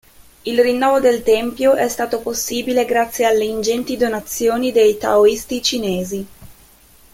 Il rinnovo del tempio è stato possibile grazie alle ingenti donazioni dei taoisti cinesi.